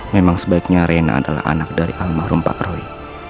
memang sebaiknya rena adalah anak dari almarhum pak roy